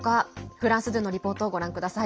フランス２のリポートをご覧ください。